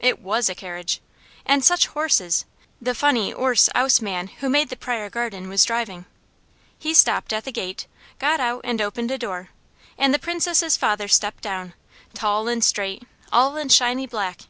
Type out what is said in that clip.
It WAS a carriage. And such horses! The funny "'orse, 'ouse" man who made the Pryor garden was driving. He stopped at the gate, got out and opened a door, and the Princess' father stepped down, tall and straight, all in shiny black.